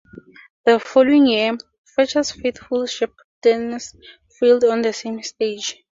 The following year, Fletcher's "Faithful Shepherdess" failed on the same stage.